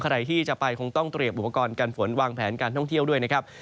ใครที่จะไปคงต้องเตรียมอุปกรณ์การฝนวางแผนการท่องเที่ยวด้วยนะครับ